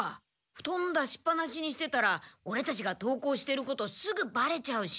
ふとん出しっぱなしにしてたらオレたちが登校してることすぐバレちゃうし。